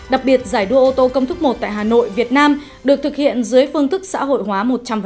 đặc biệt giải đua ô tô công thức một tại hà nội việt nam được thực hiện dưới phương thức xã hội hóa một trăm linh